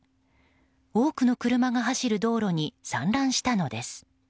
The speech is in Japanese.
多くの車が走る道路に散乱したのです。